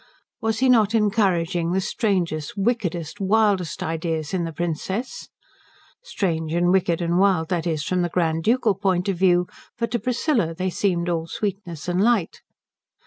Was he not encouraging the strangest, wickedest, wildest ideas in the Princess? Strange and wicked and wild that is from the grand ducal point of view, for to Priscilla they seemed all sweetness and light.